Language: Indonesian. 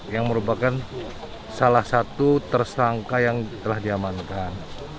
yang merupakan salah satu tersangka yang telah diamankan